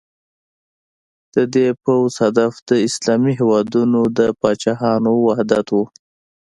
د دې پوځ هدف د اسلامي هېوادونو د پاچاهانو وحدت و.